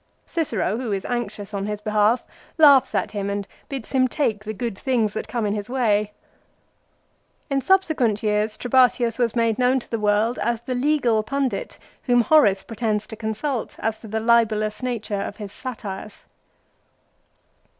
Cicero, who is anxious on his behalf, laughs at him and bids him take the good things that come in his way. In subsequent years Trebatius was made known to the world as the legal pundit whom Horace pretends to consult as to the libellous nature of his satires.